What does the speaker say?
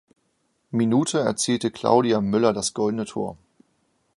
Minute erzielte Claudia Müller das goldene Tor.